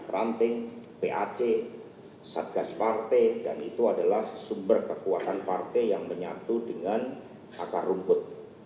ranting pac satgas partai dan itu adalah sumber kekuatan partai yang menyatu dengan akar rumput